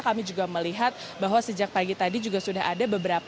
kami juga melihat bahwa sejak pagi tadi juga sudah ada beberapa